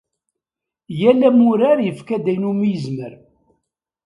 Yal amurar yefka-d ayen umi yezmer.